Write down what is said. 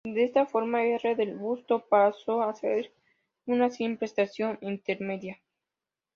De esta forma, R. del Busto pasó a ser una simple estación intermedia.